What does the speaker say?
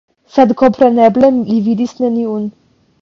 Sed kompreneble li vidis neniun.